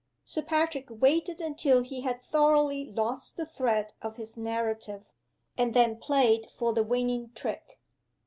Sir Patrick waited until he had thoroughly lost the thread of his narrative and then played for the winning trick.